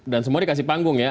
dan semua dikasih panggung ya